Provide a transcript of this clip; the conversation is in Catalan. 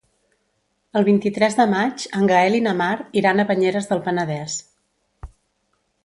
El vint-i-tres de maig en Gaël i na Mar iran a Banyeres del Penedès.